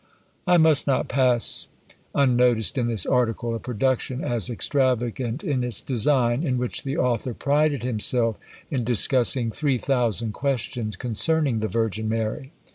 I must not pass unnoticed in this article a production as extravagant in its design, in which the author prided himself in discussing three thousand questions concerning the Virgin Mary.